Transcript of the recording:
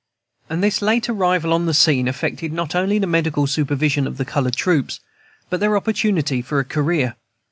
And this late arrival on the scene affected not only the medical supervision of the colored troops, but their opportunity for a career.